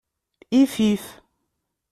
Ifif.